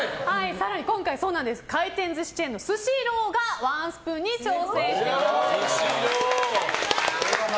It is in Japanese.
更に今回、回転寿司チェーンのスシローがワンスプーンに挑戦してくださいます。